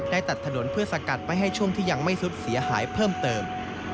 ตัดถนนเพื่อสกัดไม่ให้ช่วงที่ยังไม่สุดเสียหายเพิ่มเติม